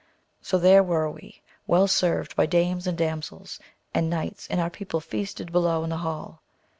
So there were we well served by dames and damsels, and the knights and our people feasted below in the hall.